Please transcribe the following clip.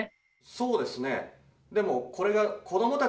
そうですね。